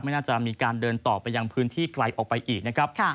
น่าจะมีการเดินต่อไปยังพื้นที่ไกลออกไปอีกนะครับ